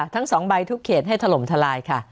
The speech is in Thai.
ทั้ง๒ใบทุกเขตให้ถล่มทลายค่ะ